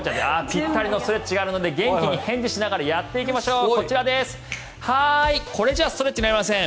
ぴったりのストレッチがあるので元気に返事しながらやっていきましょう。